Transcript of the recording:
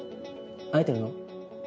会えてるの？